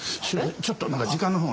ちょっと時間のほうが。